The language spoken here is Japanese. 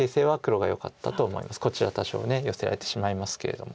こちら多少ヨセられてしまいますけれども。